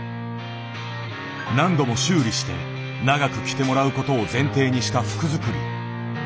何度も修理して長く着てもらう事を前提にした服作り。